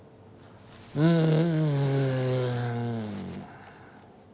うん。